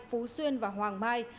phú xuyên và hoàng mai